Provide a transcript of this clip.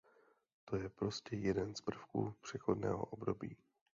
To je prostě jeden z prvků přechodného období.